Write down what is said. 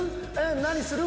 何する？